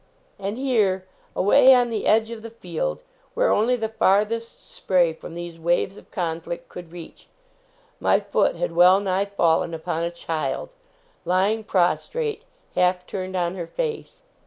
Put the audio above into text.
And here, away on the edge of the field, where only the farthest spray from these waves of conflict could reach, my foot had well nigh fallen upon a child, lying prostrate, half turned on her face.